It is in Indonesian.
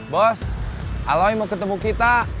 bos aloy mau ketemu kita